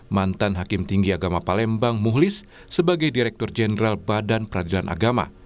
mantan hakim tinggi agama palembang muhlis sebagai direktur jenderal badan peradilan agama